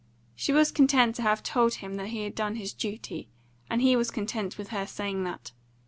She was content to have told him that he had done his duty, and he was content with her saying that.